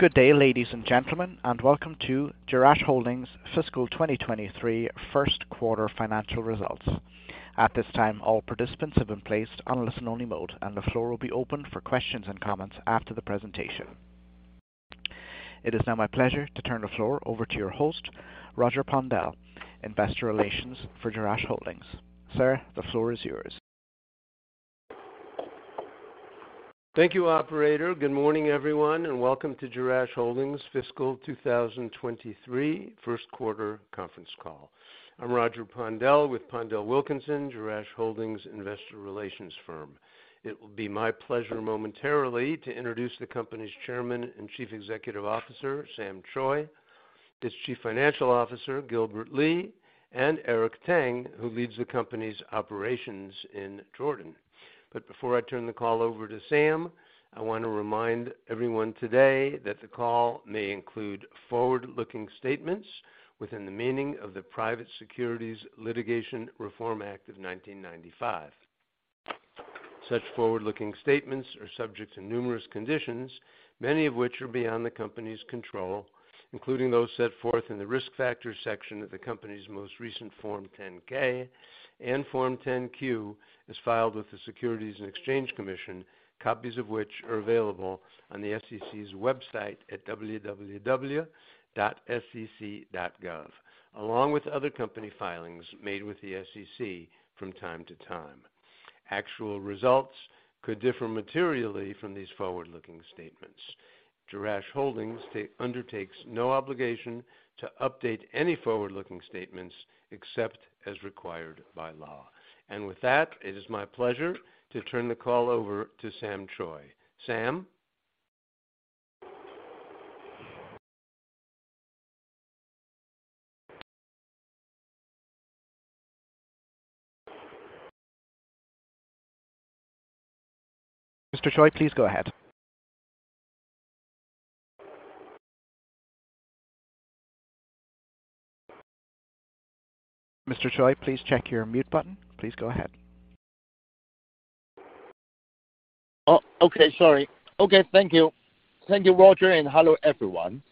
Good day, ladies, and gentlemen, and welcome to Jerash Holdings Fiscal 2023 First Quarter Financial Results. At this time, all participants have been placed on listen-only mode, and the floor will be open for questions-and-comments after the presentation. It is now my pleasure to turn the floor over to your host, Roger Pondel, Investor Relations for Jerash Holdings. Sir, the floor is yours. Thank you, Operator. Good morning, everyone, and welcome to Jerash Holdings Fiscal 2023 First Quarter Conference Call. I'm Roger Pondel with PondelWilkinson, Jerash Holdings Investor Relations firm. It will be my pleasure momentarily to introduce the company's Chairman and Chief Executive Officer, Sam Choi, its Chief Financial Officer, Gilbert Lee, and Eric Tang, who leads the company's operations in Jordan. Before I turn the call over to Sam, I wanna remind everyone today that the call may include forward-looking statements within the meaning of the Private Securities Litigation Reform Act of 1995. Such forward-looking statements are subject to numerous conditions, many of which are beyond the company's control, including those set forth in the Risk Factors section of the company's most recent Form 10-K and Form 10-Q, as filed with the Securities and Exchange Commission, copies of which are available on the SEC's website at www.sec.gov, along with other company filings made with the SEC from time to time. Actual results could differ materially from these forward-looking statements. Jerash Holdings undertakes no obligation to update any forward-looking statements except as required by law. With that, it is my pleasure to turn the call over to Sam Choi. Sam? Mr. Choi, please go ahead. Mr. Choi, please check your mute button. Please go ahead. Okay, thank you. Thank you, Roger, and hello, everyone.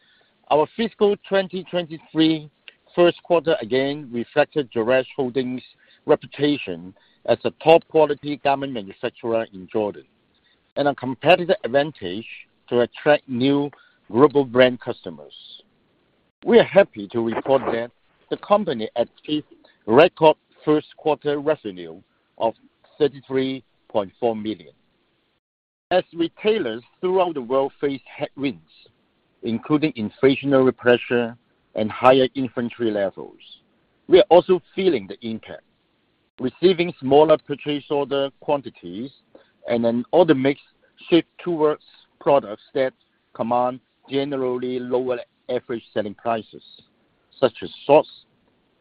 Our fiscal 2023 first quarter again reflected Jerash Holdings' reputation as a top-quality garment manufacturer in Jordan and a competitive advantage to attract new global brand customers. We are happy to report that the company achieved record first quarter revenue of $33.4 million. As retailers throughout the world face headwinds, including inflationary pressure and higher inventory levels, we are also feeling the impact, receiving smaller purchase order quantities and an order mix shift towards products that command generally lower average selling prices, such as shorts,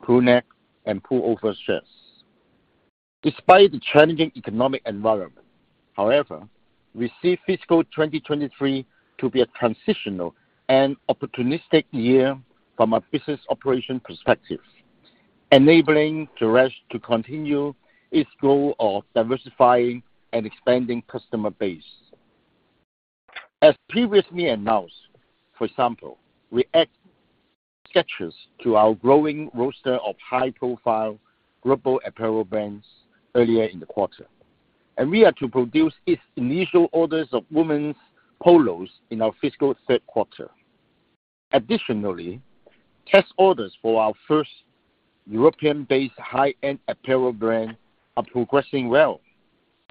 crew neck, and pullover shirts. Despite the challenging economic environment, however, we see fiscal 2023 to be a transitional and opportunistic year from a business operation perspective, enabling Jerash to continue its goal of diversifying and expanding customer base. As previously announced, for example, we added Skechers to our growing roster of high-profile global apparel brands earlier in the quarter, and we are to produce its initial orders of women's polos in our fiscal third quarter. Additionally, test orders for our first European-based high-end apparel brand are progressing well,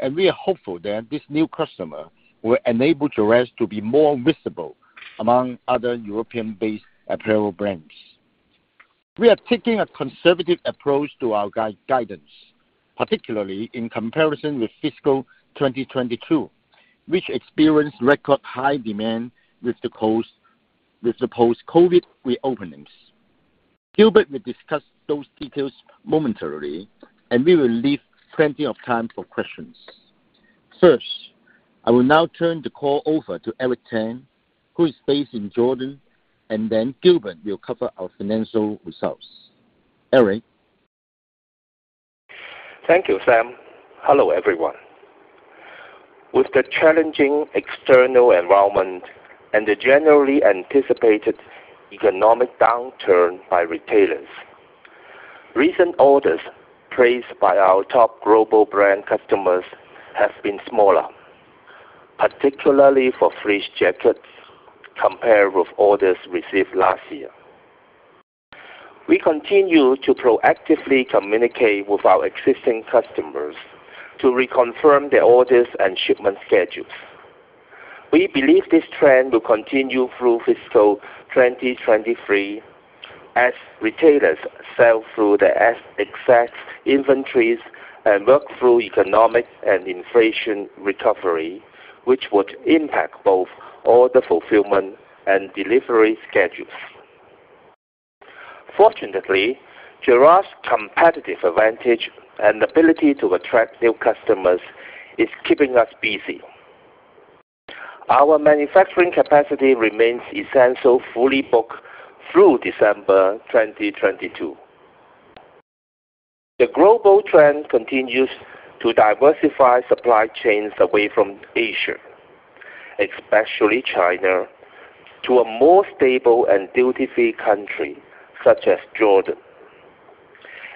and we are hopeful that this new customer will enable Jerash to be more visible among other European-based apparel brands. We are taking a conservative approach to our guidance, particularly in comparison with fiscal 2022, which experienced record high demand with the post-COVID re-openings. Gilbert will discuss those details momentarily, and we will leave plenty of time for questions. First, I will now turn the call over to Eric Tang, who is based in Jordan, and then Gilbert will cover our financial results. Eric? Thank you, Sam. Hello, everyone. With the challenging external environment and the generally anticipated economic downturn by retailers, recent orders placed by our top global brand customers have been smaller, particularly for fleece jackets, compared with orders received last year. We continue to proactively communicate with our existing customers to reconfirm their orders and shipment schedules. We believe this trend will continue through fiscal 2023 as retailers sell through their excess inventories and work through economic and inflation recovery, which would impact both order fulfillment and delivery schedules. Fortunately, Jerash's competitive advantage and ability to attract new customers is keeping us busy. Our manufacturing capacity remains essentially fully booked through December 2022. The global trend continues to diversify supply chains away from Asia, especially China, to a more stable and duty-free country such as Jordan.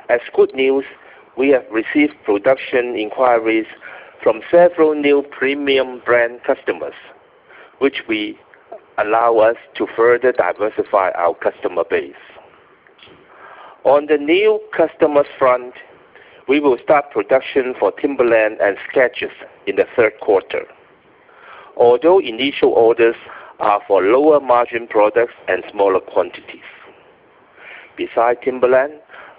As good news, we have received production inquiries from several new premium brand customers, which we allow us to further diversify our customer base. On the new customers front, we will start production for Timberland and Skechers in the third quarter, although initial orders are for lower margin products and smaller quantities. Besides Timberland,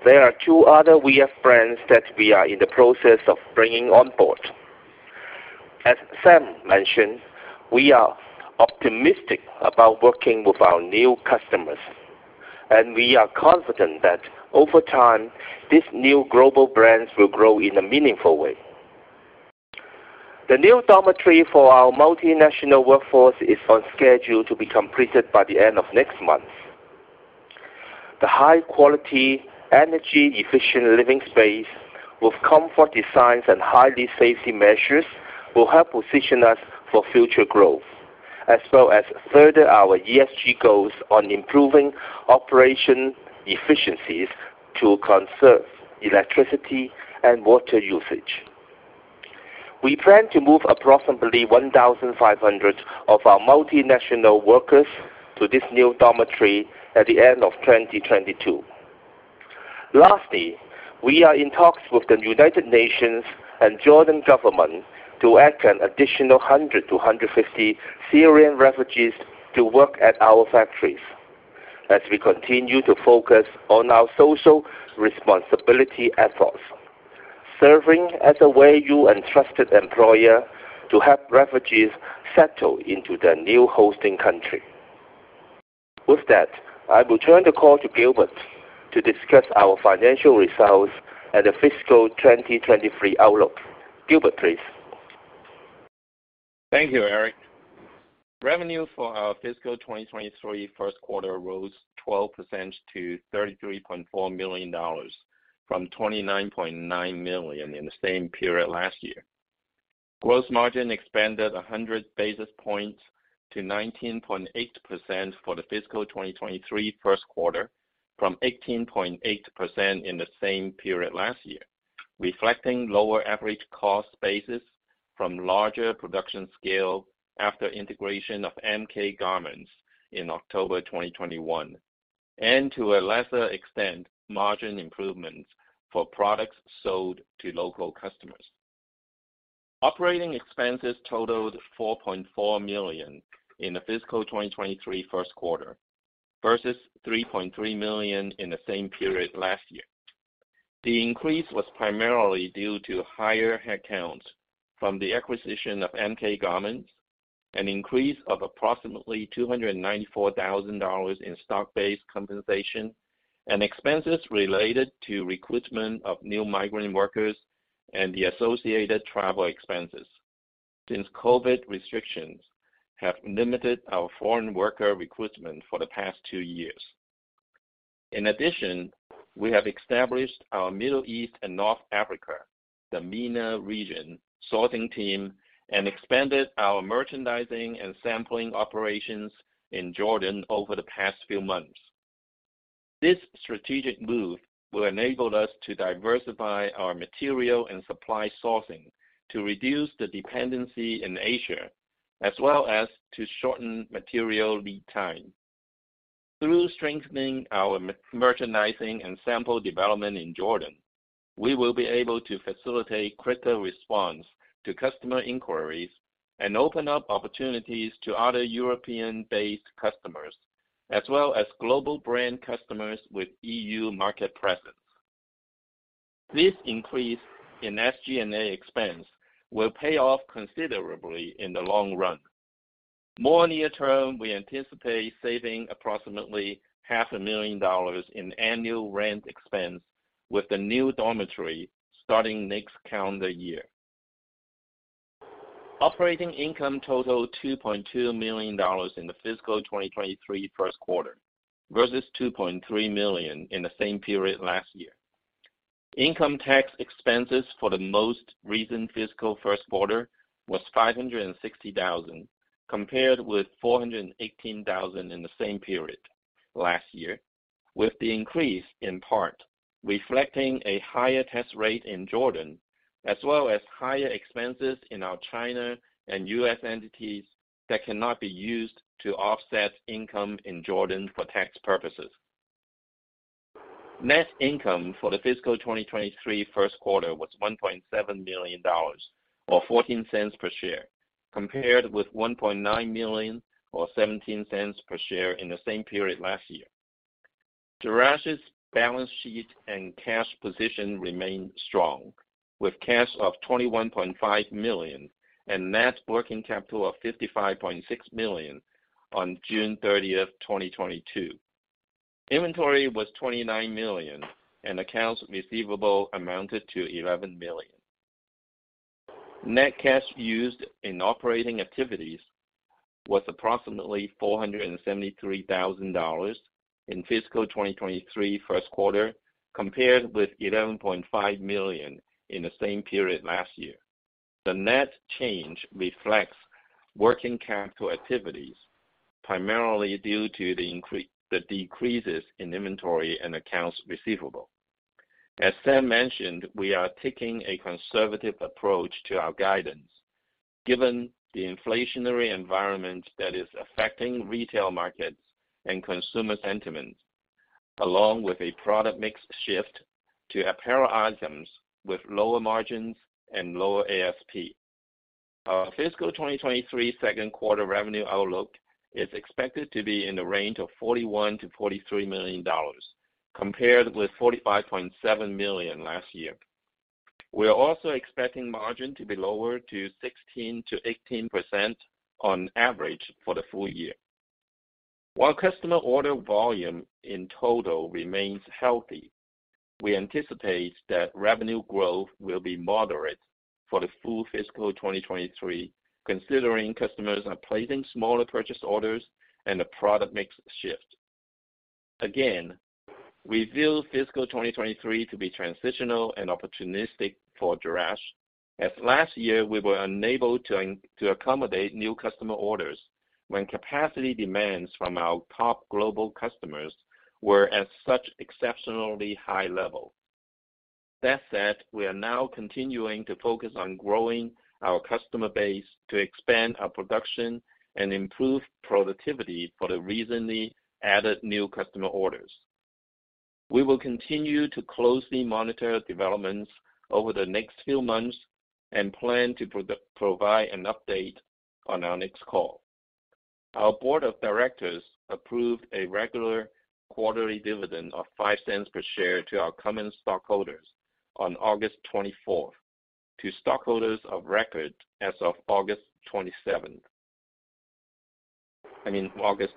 there are two other VF brands that we are in the process of bringing on board. As Sam mentioned, we are optimistic about working with our new customers, and we are confident that over time, these new global brands will grow in a meaningful way. The new dormitory for our multinational workforce is on schedule to be completed by the end of next month. The high quality, energy efficient living space with comfort designs and high safety measures will help position us for future growth, as well as further our ESG goals on improving operation efficiencies to conserve electricity and water usage. We plan to move approximately 1,500 of our multinational workers to this new dormitory at the end of 2022. We are in talks with the United Nations and Jordan government to add an additional 100-150 Syrian refugees to work at our factories as we continue to focus on our social responsibility efforts, serving as a way you entrusted employer to help refugees settle into their new hosting country. With that, I will turn the call to Gilbert to discuss our financial results and the fiscal 2023 outlook. Gilbert, please. Thank you, Eric. Revenue for our fiscal 2023 first quarter rose 12% to $33.4 million from $29.9 million in the same period last year. Gross margin expanded 100 basis points to 19.8% for the fiscal 2023 first quarter from 18.8% in the same period last year, reflecting lower average cost basis from larger production scale after integration of MK Garments in October 2021, and to a lesser extent, margin improvements for products sold to local customers. Operating expenses totaled $4.4 million in the fiscal 2023 first quarter versus $3.3 million in the same period last year. The increase was primarily due to higher headcounts from the acquisition of MK Garments, an increase of approximately $294,000 in stock-based compensation, and expenses related to recruitment of new migrant workers and the associated travel expenses since COVID restrictions have limited our foreign worker recruitment for the past two years. In addition, we have established our Middle East and North Africa, the MENA region, sourcing team and expanded our merchandising and sampling operations in Jordan over the past few months. This strategic move will enable us to diversify our material and supply sourcing to reduce the dependency in Asia, as well as to shorten material lead time. Through strengthening our merchandising and sample development in Jordan, we will be able to facilitate quicker response to customer inquiries and open up opportunities to other European-based customers, as well as global brand customers with EU market presence. This increase in SG&A expense will pay off considerably in the long run. More near term, we anticipate saving approximately half a million dollars in annual rent expense with the new dormitory starting next calendar year. Operating income totaled $2.2 million in the fiscal 2023 first quarter versus $2.3 million in the same period last year. Income tax expenses for the most recent fiscal first quarter was $560,000, compared with $418,000 in the same period last year, with the increase in part reflecting a higher tax rate in Jordan, as well as higher expenses in our China and U.S. entities that cannot be used to offset income in Jordan for tax purposes. Net income for the fiscal 2023 first quarter was $1.7 million or $0.14 per share, compared with $1.9 million or $0.17 per share in the same period last year. Jerash's balance sheet and cash position remain strong with cash of $21.5 million and net working capital of $55.6 million on June 30, 2022. Inventory was $29 million and accounts receivable amounted to $11 million. Net cash used in operating activities was approximately $473,000 in fiscal 2023 first quarter, compared with $11.5 million in the same period last year. The net change reflects working capital activities, primarily due to the decreases in inventory and accounts receivable. As Sam mentioned, we are taking a conservative approach to our guidance given the inflationary environment that is affecting retail markets and consumer sentiment, along with a product mix shift to apparel items with lower margins and lower ASP. Our fiscal 2023 second quarter revenue outlook is expected to be in the range of $41 million-$43 million compared with $45.7 million last year. We are also expecting margin to be lower to 16%-18% on average for the full year. While customer order volume in total remains healthy, we anticipate that revenue growth will be moderate for the full fiscal 2023, considering customers are placing smaller purchase orders and the product mix shift. Again, we view fiscal 2023 to be transitional and opportunistic for Jerash, as last year we were unable to accommodate new customer orders when capacity demands from our top global customers were at such exceptionally high level. That said, we are now continuing to focus on growing our customer base to expand our production and improve productivity for the recently added new customer orders. We will continue to closely monitor developments over the next few months and plan to provide an update on our next call. Our board of directors approved a regular quarterly dividend of $0.05 per share to our common stockholders on August 24th, to stockholders of record as of August 27th. I mean August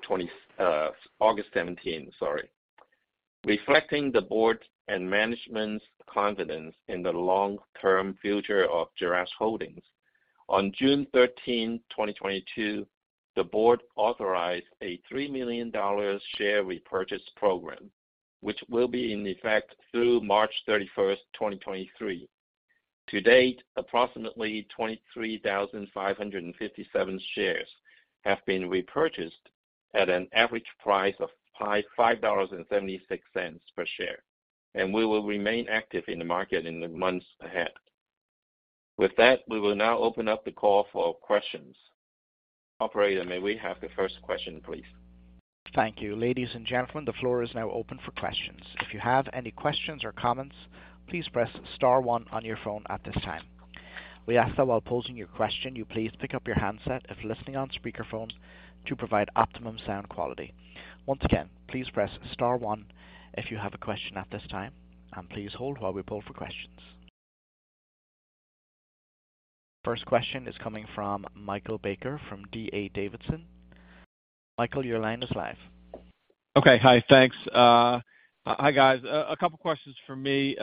17th, sorry. Reflecting the board and management's confidence in the long-term future of Jerash Holdings, on June 13th, 2022, the board authorized a $3 million share repurchase program, which will be in effect through March 31st, 2023. To date, approximately 23,557 shares have been repurchased at an average price of $5.57 per share, and we will remain active in the market in the months ahead. With that, we will now open up the call for questions. Operator, may we have the first question, please? Thank you. Ladies, and gentlemen, the floor is now open for questions. If you have any questions or comments, please press star one on your phone at this time. We ask that while posing your question, you please pick up your handset if listening on speakerphone to provide optimum sound quality. Once again, please press star one if you have a question at this time, and please hold while we poll for questions. First question is coming from Michael Baker from D.A. Davidson. Michael, your line is live. Okay. Hi. Thanks. Hi guys. A couple questions for me.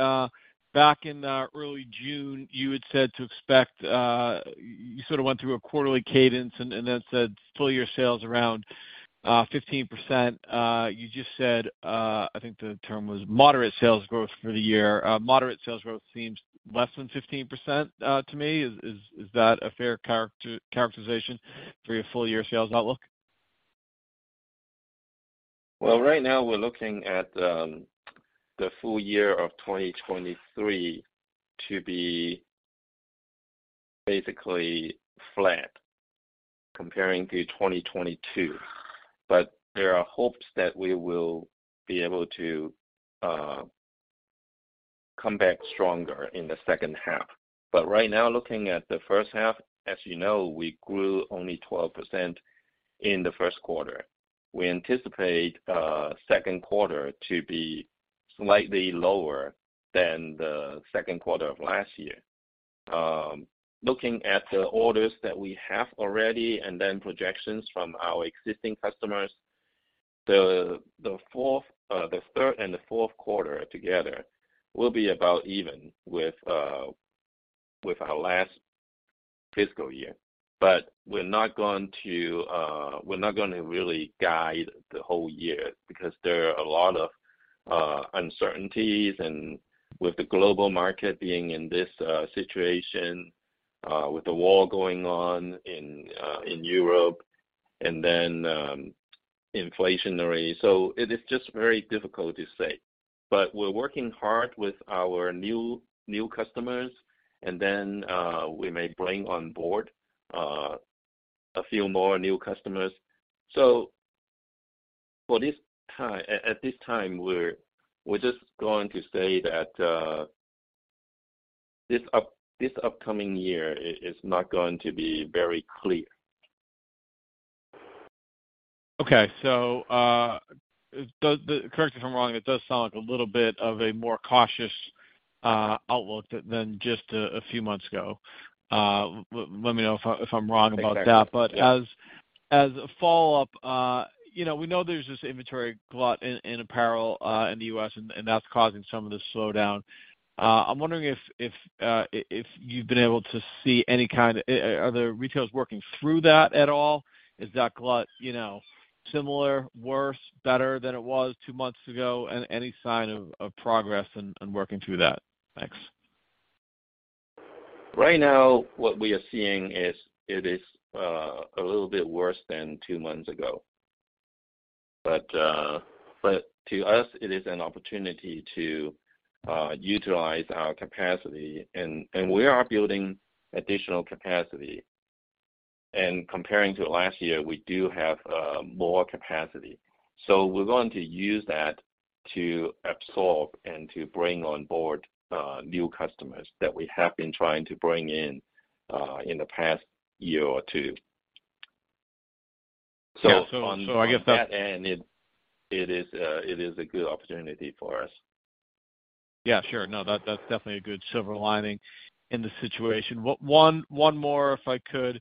Back in early June, you had said to expect. You sort of went through a quarterly cadence and then said full year sales around 15%. You just said I think the term was moderate sales growth for the year. Moderate sales growth seems less than 15% to me. Is that a fair characterization for your full year sales outlook? Well, right now we're looking at the full year of 2023 to be basically flat comparing to 2022. There are hopes that we will be able to come back stronger in the second half. Right now, looking at the first half, as you know, we grew only 12% in the first quarter. We anticipate second quarter to be slightly lower than the second quarter of last year. Looking at the orders that we have already and then projections from our existing customers, the third and the fourth quarter together will be about even with our last fiscal year. We're not gonna really guide the whole year because there are a lot of uncertainties and with the global market being in this situation, with the war going on in Europe and then inflationary. It is just very difficult to say. We're working hard with our new customers, and then we may bring on board a few more new customers. At this time, we're just going to say that this upcoming year is not going to be very clear. Okay. Correct me if I'm wrong, it does sound like a little bit of a more cautious outlook than just a few months ago. Let me know if I'm wrong about that. As a follow-up, you know, we know there's this inventory glut in apparel in the U.S., and that's causing some of this slowdown. I'm wondering. Are the retailers working through that at all? Is that glut, you know, similar, worse, better than it was two months ago? And any sign of progress in working through that? Thanks. Right now, what we are seeing is it is a little bit worse than two months ago. To us, it is an opportunity to utilize our capacity and we are building additional capacity. Comparing to last year, we do have more capacity. We're going to use that to absorb and to bring on board new customers that we have been trying to bring in in the past year or two. Yeah. I guess that. On that end, it is a good opportunity for us. Yeah, sure. No, that's definitely a good silver lining in the situation. One more if I could.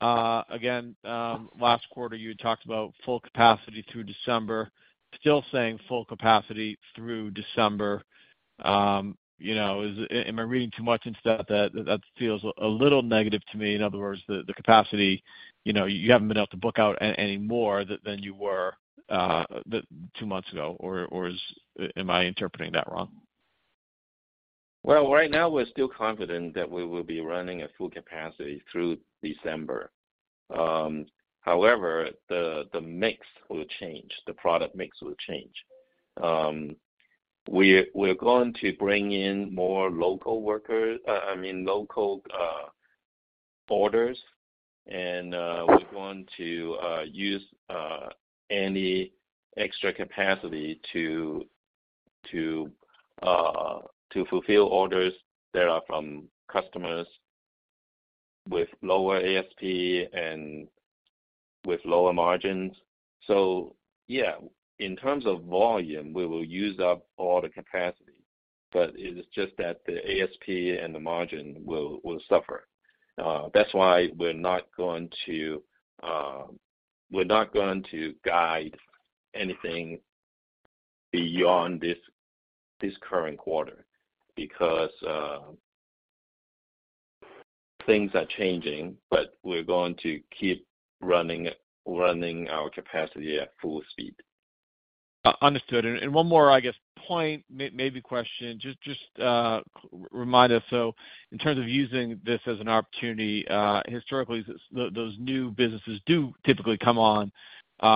Again, last quarter you had talked about full capacity through December. Still saying full capacity through December. You know, am I reading too much into that? That feels a little negative to me. In other words, the capacity, you know, you haven't been able to book out any more than you were two months ago, or am I interpreting that wrong? Well, right now we're still confident that we will be running at full capacity through December. However, the mix will change. The product mix will change. We're going to bring in more local orders, and we're going to use any extra capacity to fulfill orders that are from customers with lower ASP and with lower margins. Yeah, in terms of volume, we will use up all the capacity, but it is just that the ASP and the margin will suffer. That's why we're not going to guide anything beyond this current quarter because things are changing, but we're going to keep running our capacity at full speed. Understood. One more, I guess, point, maybe question. Just remind us, in terms of using this as an opportunity, historically, those new businesses do typically come on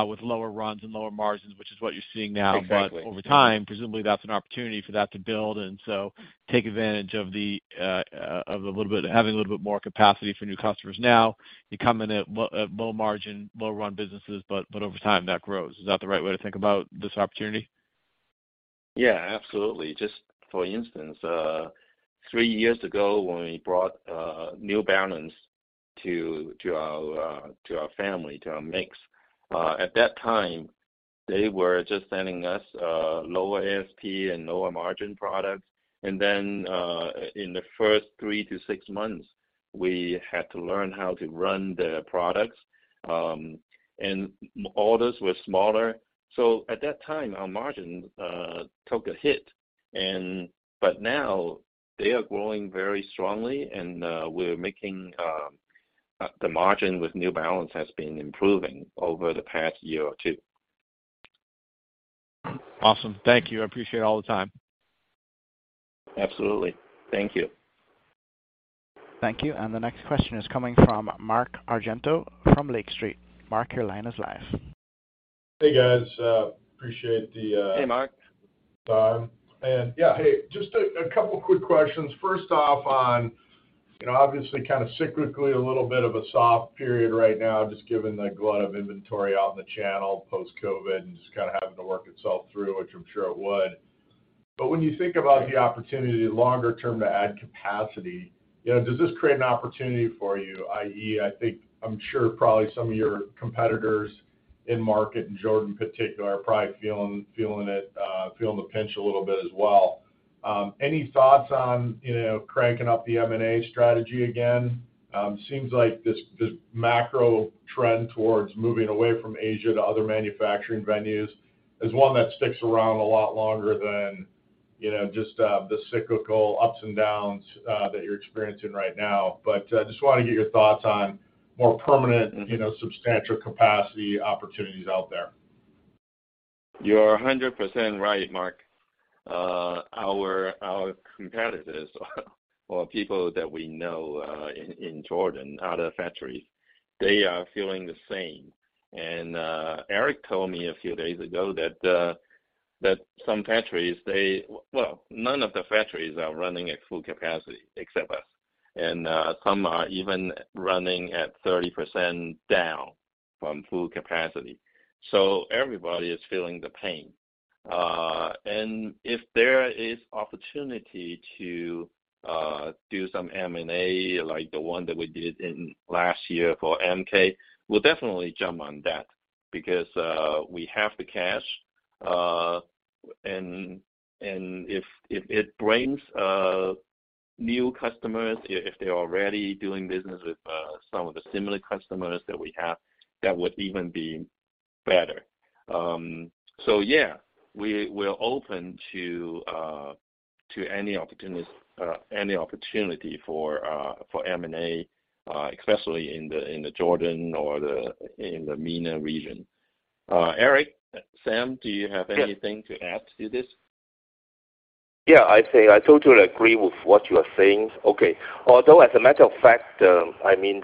with lower runs and lower margins, which is what you're seeing now. Exactly. Over time, presumably that's an opportunity for that to build and so take advantage of having a little bit more capacity for new customers now. They come in at low margin, low run businesses, but over time, that grows. Is that the right way to think about this opportunity? Yeah, absolutely. Just for instance, three years ago, when we brought New Balance to our family, to our mix, at that time, they were just sending us lower ASP and lower margin products. In the first three to six months, we had to learn how to run their products, and orders were smaller. At that time, our margin took a hit, but now they are growing very strongly and we're making. The margin with New Balance has been improving over the past year or two. Awesome. Thank you. I appreciate all the time. Absolutely. Thank you. Thank you. The next question is coming from Mark Argento from Lake Street. Mark, your line is live. Hey, guys, appreciate the. Hey, Mark. Time. Yeah, hey, just a couple of quick questions. First off, you know, obviously kinda cyclically, a little bit of a soft period right now, just given the glut of inventory out in the channel post-COVID and just kinda having to work itself through, which I'm sure it would. When you think about the opportunity longer term to add capacity, you know, does this create an opportunity for you, i.e., I think I'm sure probably some of your competitors in market, in Jordan particular, are probably feeling the pinch a little bit as well. Any thoughts on, you know, cranking up the M&A strategy again? Seems like this macro trend towards moving away from Asia to other manufacturing venues is one that sticks around a lot longer than, you know, just the cyclical ups and downs that you're experiencing right now. Just wanna get your thoughts on more permanent, you know, substantial capacity opportunities out there. You're 100% right, Mark. Our competitors or people that we know in Jordan, other factories, they are feeling the same. Eric told me a few days ago that some factories. Well, none of the factories are running at full capacity except us. Some are even running at 30% down from full capacity. Everybody is feeling the pain. If there is opportunity to do some M&A like the one that we did in last year for MK, we'll definitely jump on that because we have the cash. If it brings new customers, if they are already doing business with some of the similar customers that we have, that would even be better. We're open to any opportunity for M&A, especially in the Jordan or the MENA region. Eric, Sam, do you have anything? Yeah. To add to this? Yeah, I'd say I totally agree with what you are saying. Okay. Although, as a matter of fact, I mean,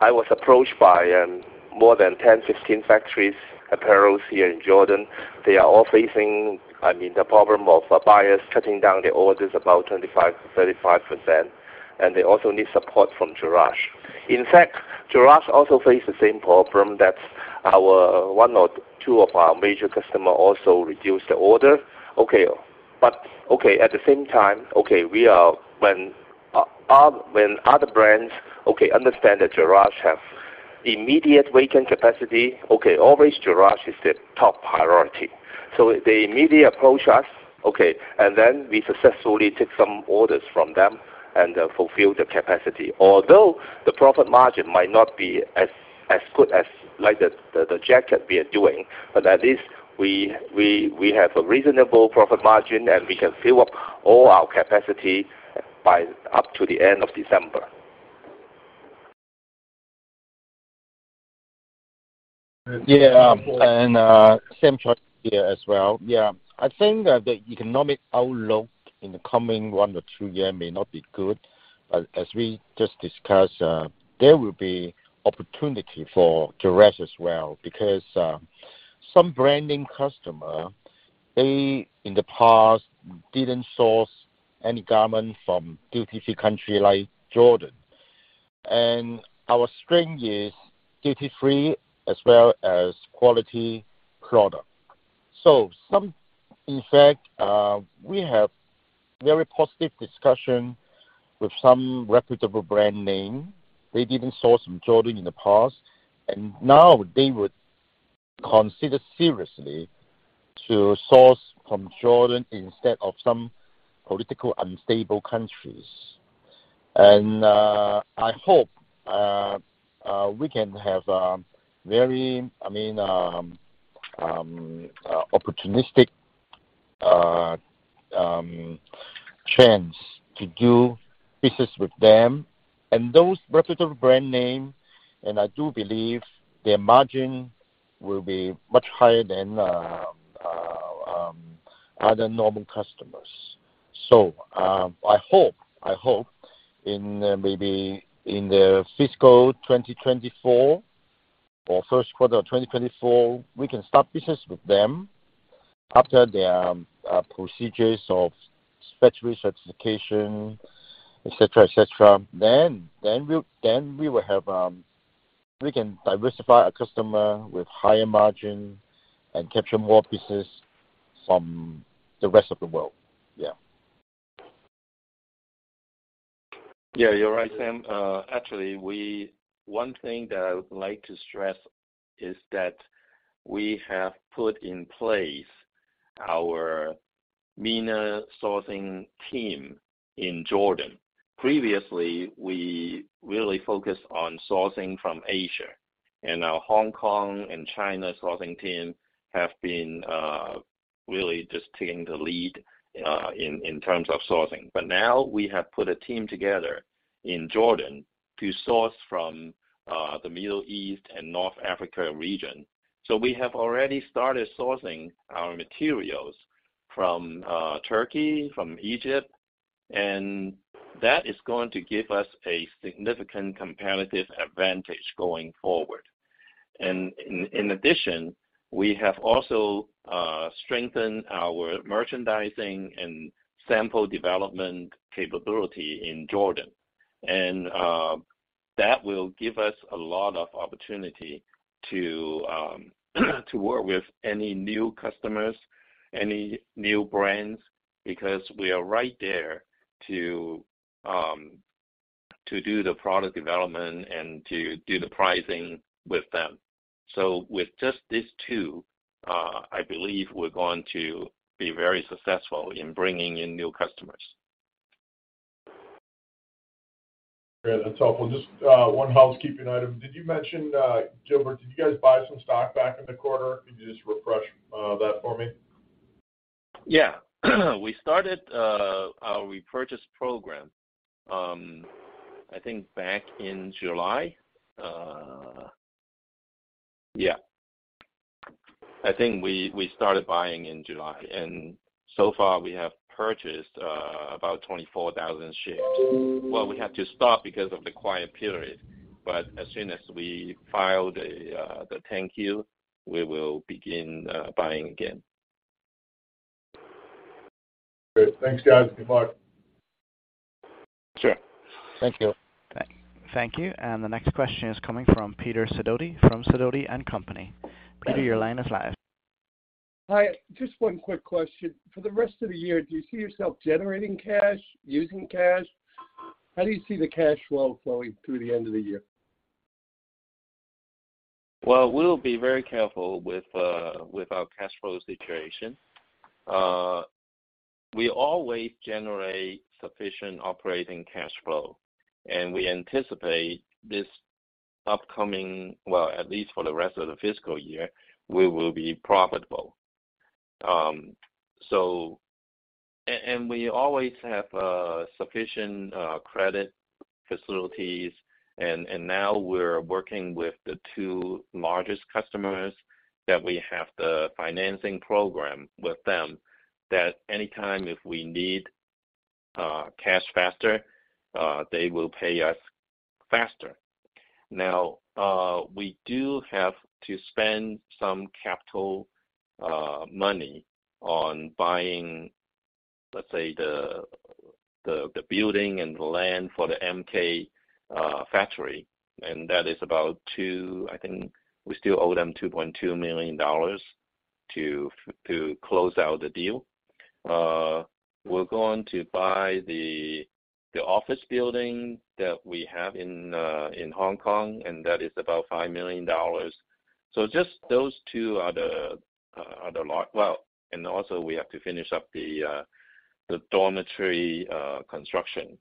I was approached by, more than 10, 15 factories, apparels here in Jordan. They are all facing, I mean, the problem of, buyers cutting down their orders about 25%-35%, and they also need support from Jerash. In fact, Jerash also face the same problem that our one or two of our major customer also reduced their order. Okay, but, okay, at the same time, okay, we are, when other brands, okay, understand that Jerash have immediate vacant capacity, okay, always Jerash is the top priority. They immediately approach us, okay, and then we successfully take some orders from them and, fulfill the capacity. Although the profit margin might not be as good as, like, the jacket we are doing, but at least we have a reasonable profit margin, and we can fill up all our capacity by up to the end of December. Yeah. Sam Choi here as well. Yeah. I think that the economic outlook in the coming one to two year may not be good, but as we just discussed, there will be opportunity for Jerash as well because some branding customer, they in the past didn't source any garment from duty-free country like Jordan. Our strength is duty-free as well as quality product. In fact, we have very positive discussion with some reputable brand name. They didn't source from Jordan in the past, and now they would consider seriously to source from Jordan instead of some political unstable countries. I hope we can have a very, I mean, opportunistic chance to do business with them and those reputable brand name, and I do believe their margin will be much higher than other normal customers. I hope in maybe in the fiscal 2024 or first quarter of 2024, we can start business with them after their procedures of factory certification, et cetera, et cetera. We will have we can diversify our customer with higher margin and capture more business from the rest of the world. Yeah, you're right, Sam. Actually, one thing that I would like to stress is that we have put in place our MENA sourcing team in Jordan. Previously, we really focused on sourcing from Asia, and our Hong Kong and China sourcing team have been really just taking the lead in terms of sourcing. Now we have put a team together in Jordan to source from the Middle East and North Africa region. We have already started sourcing our materials from Turkey, from Egypt, and that is going to give us a significant competitive advantage going forward. In addition, we have also strengthened our merchandising and sample development capability in Jordan. That will give us a lot of opportunity to work with any new customers, any new brands, because we are right there to do the product development and to do the pricing with them. With just these two, I believe we're going to be very successful in bringing in new customers. Great. That's helpful. Just, one housekeeping item. Did you mention, Gilbert, did you guys buy some stock back in the quarter? Could you just refresh, that for me? We started our repurchase program, I think back in July. I think we started buying in July, and so far we have purchased about 24,000 shares. Well, we had to stop because of the quiet period. As soon as we file the 10-Q, we will begin buying again. Great. Thanks, guys. Goodbye. Sure. Thank you. Thank you. The next question is coming from Peter Sidoti from Sidoti & Company. Peter, your line is live. Hi. Just one quick question. For the rest of the year, do you see yourself generating cash, using cash? How do you see the cash flow flowing through the end of the year? Well, we'll be very careful with our cash flow situation. We always generate sufficient operating cash flow, and we anticipate, well, at least for the rest of the fiscal year, we will be profitable. We always have sufficient credit facilities, and now we're working with the two largest customers that we have the financing program with them, that anytime if we need cash faster, they will pay us faster. Now, we do have to spend some capital money on buying, let's say, the building and the land for the MK factory, and I think we still owe them $2.2 million to close out the deal. We're going to buy the office building that we have in Hong Kong, and that is about $5 million. Just those two are the large. We have to finish up the dormitory construction.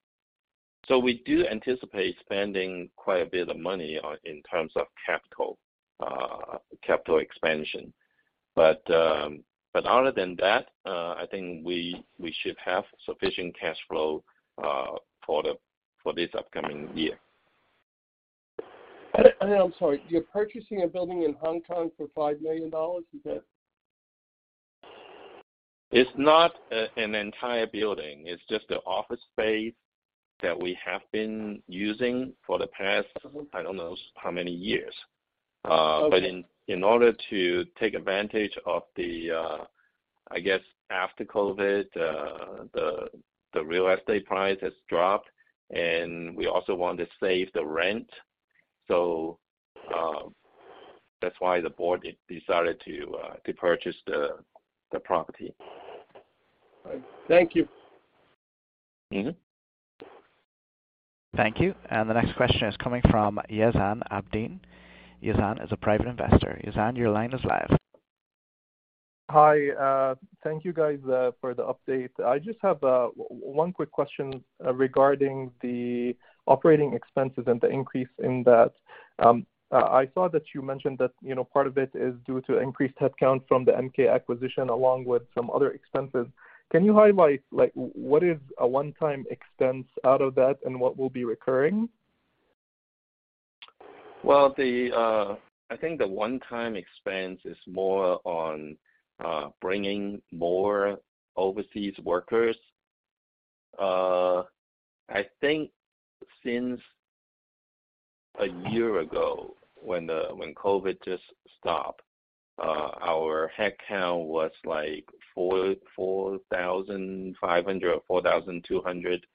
We do anticipate spending quite a bit of money in terms of capital expansion. Other than that, I think we should have sufficient cash flow for this upcoming year. I'm sorry. You're purchasing a building in Hong Kong for $5 million? Is that? It's not an entire building. It's just the office space that we have been using for the past, I don't know how many years. Okay. In order to take advantage of the, I guess after COVID, the real estate price has dropped, and we also want to save the rent. That's why the board decided to purchase the property. Thank you. Mm-hmm. Thank you. The next question is coming from Yazan Abdeen. Yazan is a Private Investor. Yazan, your line is live. Hi. Thank you guys for the update. I just have one quick question regarding the operating expenses and the increase in that. I saw that you mentioned that, you know, part of it is due to increased headcount from the MK acquisition, along with some other expenses. Can you highlight, like what is a one-time expense out of that and what will be recurring? Well, I think the one-time expense is more on bringing more overseas workers. I think since a year ago when COVID just stopped, our headcount was like 4,500, 4,200,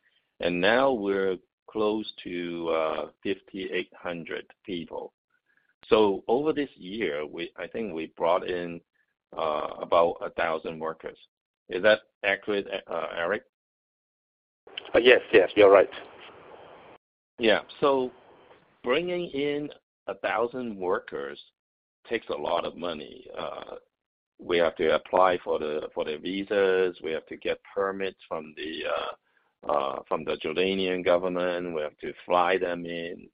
and now we're close to 5,800 people. Over this year, I think we brought in about 1,000 workers. Is that accurate, Eric? Yes, yes, you're right. Yeah. Bringing in 1,000 workers takes a lot of money. We have to apply for their visas. We have to get permits from the Jordanian government. We have to fly them in.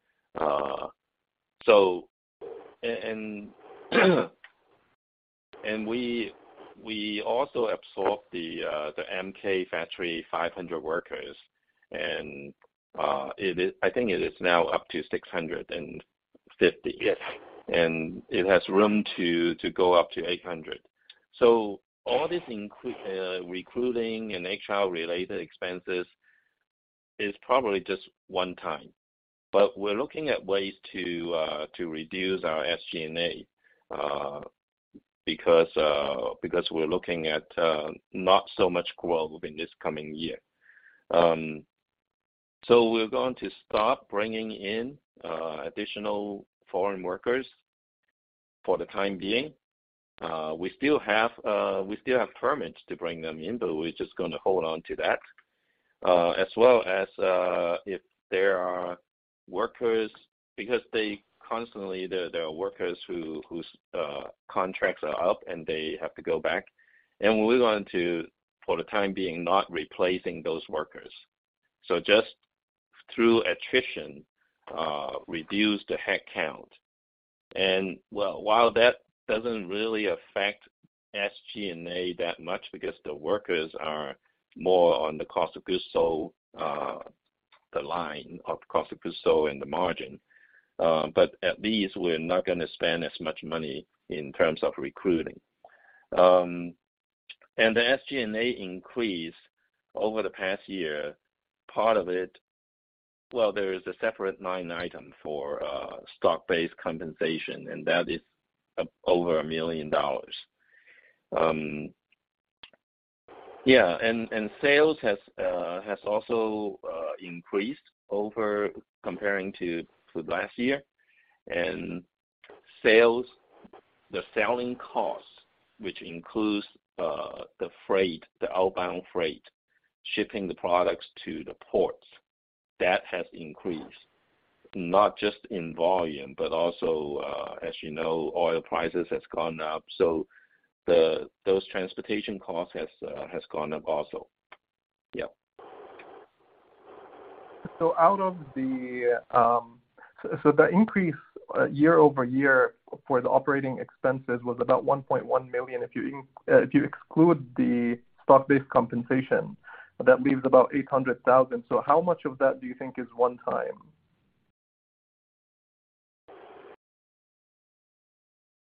We also absorb the MK factory 500 workers, and I think it is now up to 650. Yes. It has room to go up to 800. All this recruiting and HR-related expenses is probably just one time. We're looking at ways to reduce our SG&A because we're looking at not so much growth in this coming year. We're going to stop bringing in additional foreign workers for the time being. We still have permits to bring them in, but we're just gonna hold on to that. As well as, if there are workers because they constantly there are workers whose contracts are up and they have to go back. We're going to, for the time being, not replacing those workers. Just through attrition reduce the headcount. Well, while that doesn't really affect SG&A that much because the workers are more on the cost of goods sold, the line of cost of goods sold and the margin, but at least we're not gonna spend as much money in terms of recruiting. The SG&A increase over the past year, part of it. Well, there is a separate line item for stock-based compensation, and that is over $1 million. Yeah, sales has also increased compared to last year. Sales, the selling cost, which includes the freight, the outbound freight, shipping the products to the ports, that has increased not just in volume, but also, as you know, oil prices has gone up. Those transportation costs has gone up also. Yeah. The increase year-over-year for the operating expenses was about $1.1 million. If you exclude the stock-based compensation, that leaves about $800,000. How much of that do you think is one time?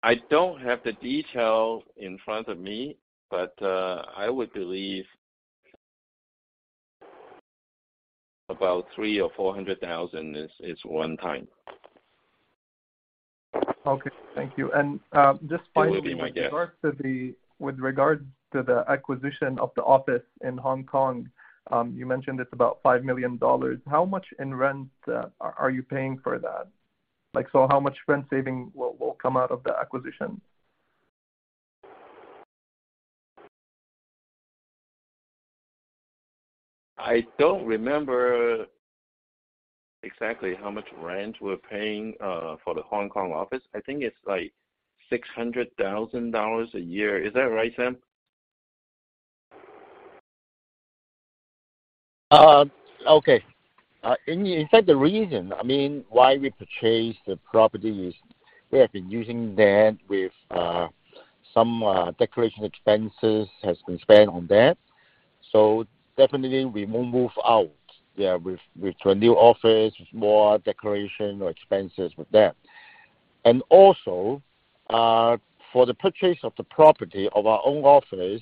I don't have the detail in front of me, but I would believe about $300,000-$400,000 is one time. Okay. Thank you. Just finally. It will be my guess. With regards to the acquisition of the office in Hong Kong, you mentioned it's about $5 million. How much in rent are you paying for that? Like, so how much rent saving will come out of the acquisition? I don't remember exactly how much rent we're paying for the Hong Kong office. I think it's like $600,000 a year. Is that right, Sam? Okay. In fact, the reason, I mean, why we purchased the property is we have been using that with some decoration expenses has been spent on that, so definitely we won't move out. Yeah, with a new office, more decoration or expenses with that. Also, for the purchase of the property of our own office,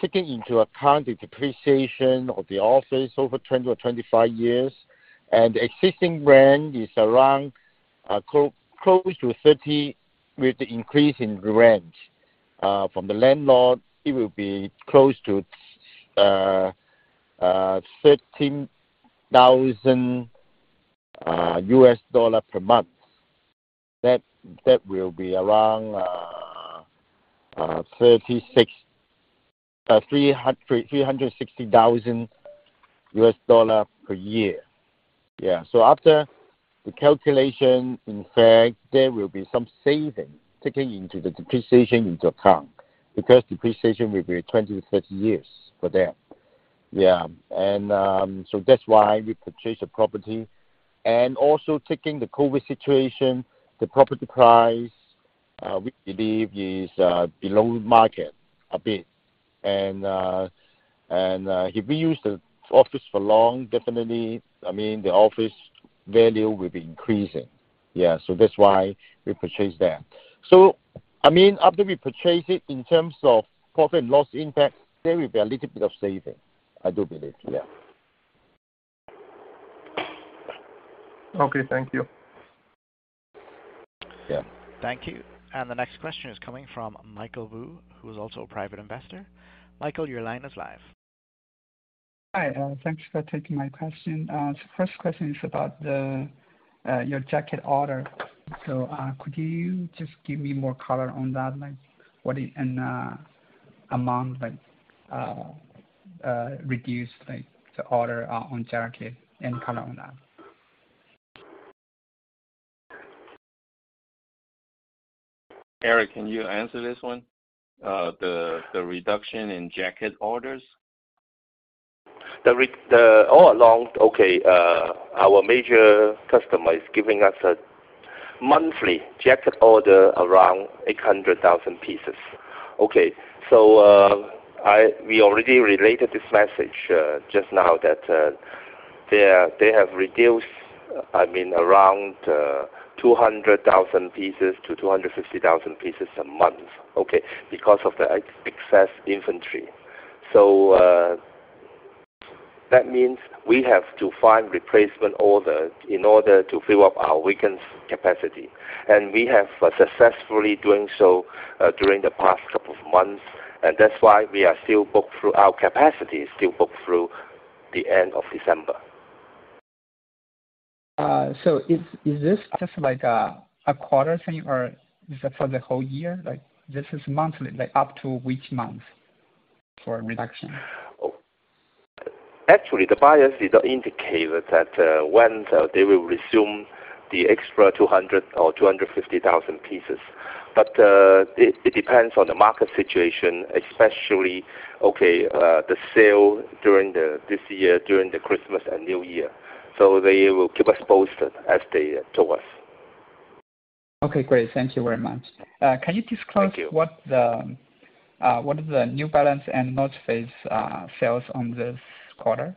taking into account the depreciation of the office over 20-25 years and existing rent is around close to 30. With the increase in rent from the landlord, it will be close to $13,000 per month. That will be around $360,000 per year. Yeah. After the calculation, in fact, there will be some saving taking into the depreciation into account because depreciation will be 20-30 years for that. Yeah. That's why we purchased the property. Also taking the COVID situation, the property price, we believe is below market a bit. If we use the office for long, definitely, I mean, the office value will be increasing. Yeah. That's why we purchased that. I mean, after we purchase it in terms of profit and loss impact, there will be a little bit of saving, I do believe. Yeah. Okay. Thank you. Yeah. Thank you. The next question is coming from Michael Wu, who is also a Private Investor. Michael, your line is live. Hi. Thanks for taking my question. First question is about your jacket order. Could you just give me more color on that? Like amount like reduced, like the order on jacket and color on that. Eric, can you answer this one? The reduction in jacket orders. All along, okay, our major customer is giving us a monthly jacket order around 800,000 pieces. Okay, so, we already related this message, just now that, they have reduced, I mean, around, 200,000 pieces to 250,000 pieces a month, okay, because of the excess inventory. So, that means we have to find replacement orders in order to fill up our weakened capacity. We have successfully doing so during the past couple of months. That's why we are still booked through our capacity, still booked through the end of December. Is this just like a quarter thing or is it for the whole year? Like this is monthly, like up to which month for reduction? Actually, the buyers did not indicate that when they will resume the extra 200,000 or 250,000 pieces. It depends on the market situation, especially, okay, the sale during this year during the Christmas and New Year. They will keep us posted as they told us. Okay, great. Thank you very much. Thank you. Can you disclose what the New Balance and The North Face sales in this quarter?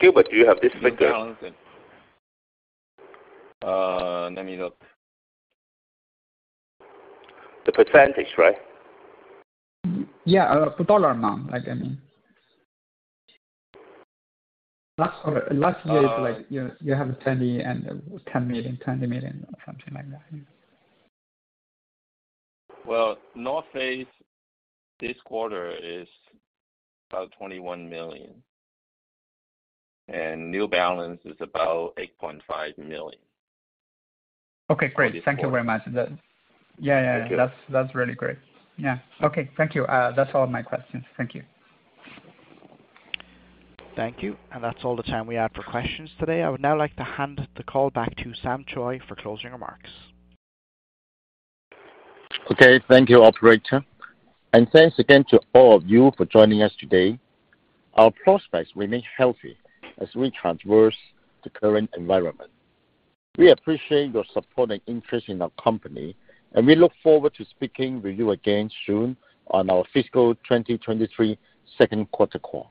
Gilbert, do you have this figure? New Balance and. Let me look. The percentage, right? Yeah, dollar amount, like, I mean. Last year it was like you have $10 million, $20 million or something like that. Well, The North Face this quarter is about $21 million, and New Balance is about $8.5 million for this quarter. Okay, great. Thank you very much. Yeah, yeah. Thank you. That's really great. Yeah. Okay. Thank you. That's all my questions. Thank you. Thank you. That's all the time we have for questions today. I would now like to hand the call back to Sam Choi for closing remarks. Okay. Thank you, Operator. Thanks again to all of you for joining us today. Our prospects remain healthy as we traverse the current environment. We appreciate your support and interest in our company, and we look forward to speaking with you again soon on our fiscal 2023 second quarter call.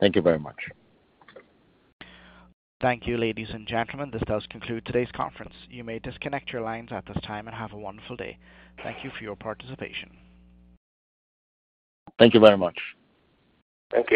Thank you very much. Thank you, ladies and gentlemen. This does conclude today's conference. You may disconnect your lines at this time and have a wonderful day. Thank you for your participation. Thank you very much. Thank you.